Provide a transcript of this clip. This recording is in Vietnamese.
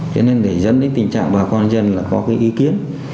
cho nên để dẫn đến tình trạng bà con dân là có cái ý kiến